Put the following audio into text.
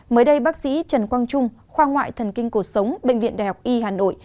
mới đây bác sĩ trần quang trung khoa ngoại thần kinh cuộc sống bệnh viện đại học y hà nội